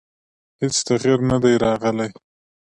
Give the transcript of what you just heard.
هېڅ تغییر نه دی راغلی.